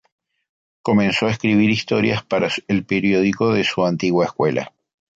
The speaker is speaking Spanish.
Comenzó a escribir historias para el periódico de su antigua escuela.